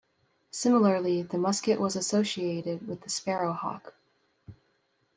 Similarly, the musket was associated with the sparrowhawk.